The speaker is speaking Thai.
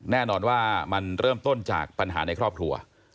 แน่นอนว่ามันเริ่มต้นจากปัญหาในครอบครัว